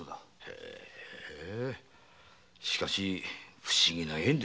へえしかし不思議な縁ですね。